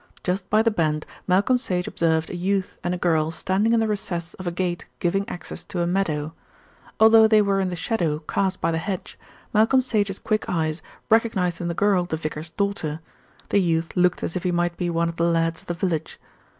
Just by the bend Malcolm Sage observed a youth and a girl standing in the recess of a gate giving access to a meadow. Although they were in the shadow cast by the hedge, Malcolm Sage's quick eyes recognised in the girl the vicar's daughter. The youth looked as if he might be one of the lads of the village.